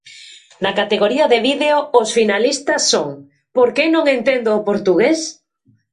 Na categoría de vídeo, os finalistas son: "Por que non entendo o portugués?".